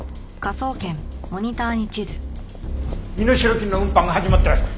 身代金の運搬が始まったよ。